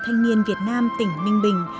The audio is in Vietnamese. thanh niên việt nam tỉnh ninh bình